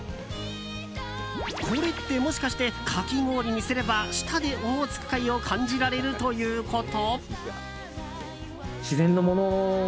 これって、もしかしてかき氷にすれば舌でオホーツク海を感じられるということ？